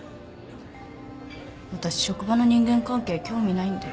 私職場の人間関係興味ないんで。